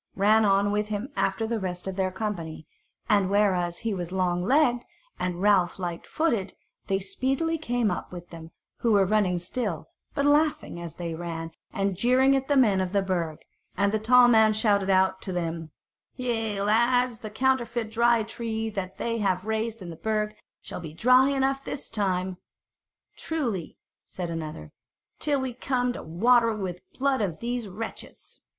ran on with him after the rest of their company; and whereas he was long legged and Ralph lightfooted, they speedily came up with them, who were running still, but laughing as they ran, and jeering at the men of the Burg; and the tall man shouted out to them: "Yea, lads, the counterfeit Dry Tree that they have raised in the Burg shall be dry enough this time." "Truly," said another, "till we come to water it with the blood of these wretches."